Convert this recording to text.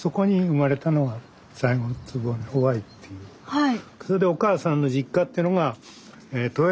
はい。